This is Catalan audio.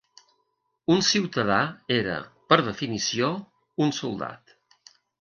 Un ciutadà era, per definició, un soldat.